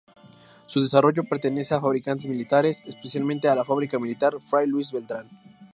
Su desarrollo pertenece a Fabricaciones Militares, especialmente a la Fábrica Militar Fray Luis Beltrán.